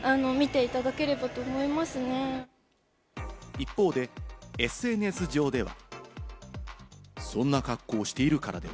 一方でＳＮＳ上では。